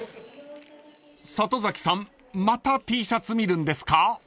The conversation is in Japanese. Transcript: ［里崎さんまたＴシャツ見るんですか？］